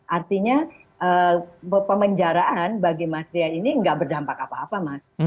artinya pemenjaraan bagi mas ria ini nggak berdampak apa apa mas